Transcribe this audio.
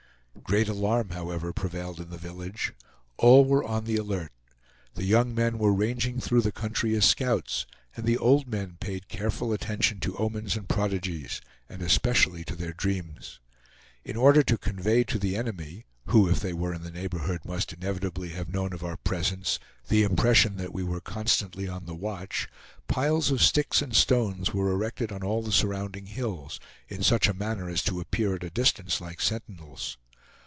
Great alarm, however, prevailed in the village. All were on the alert. The young men were ranging through the country as scouts, and the old men paid careful attention to omens and prodigies, and especially to their dreams. In order to convey to the enemy (who, if they were in the neighborhood, must inevitably have known of our presence) the impression that we were constantly on the watch, piles of sticks and stones were erected on all the surrounding hills, in such a manner as to appear at a distance like sentinels.